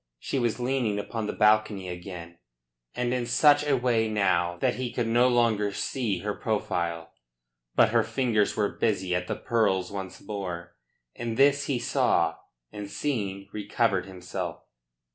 She was leaning upon the balcony again, and in such a way now that he could no longer see her profile. But her fingers were busy at the pearls once more, and this he saw, and seeing, recovered himself.